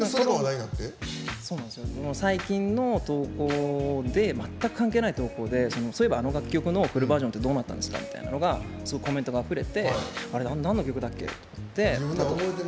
最近の投稿で全く関係ない投稿でそういえばあの楽曲のフルバージョンってどうなったんですかってすごいコメントがあふれててあれなんの曲だっけって。